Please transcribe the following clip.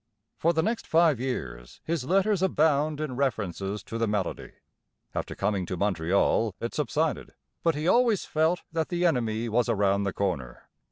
For the next five years his letters abound in references to the malady. After coming to Montreal it subsided; but he always felt that the enemy was around the corner.